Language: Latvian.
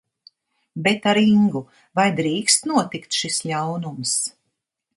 Bet ar Ingu, vai drīkst notikt šis ļaunums?